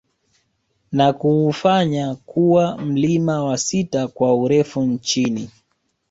Na kuufanya kuwa mlima wa sita kwa urefu nchini